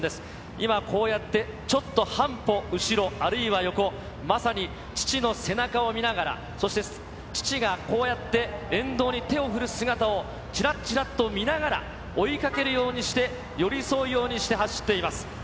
今、こうやってちょっと半歩後ろ、あるいは横、まさに父の背中を見ながら、そして父がこうやって、沿道に手を振る姿をちらっちらっと見ながら、追いかけるようにして、寄り添うようにして走っています。